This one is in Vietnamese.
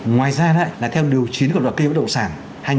ngoài ra theo điều chín của đoàn kênh đậu sản hai nghìn một mươi bốn